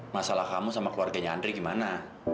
masalah kamu sama keluarganya andri gimana